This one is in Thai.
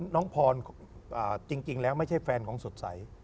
น้องพรจริงแล้วไม่ใช่แฟนของสดใส